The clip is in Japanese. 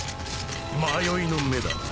迷いの目だ。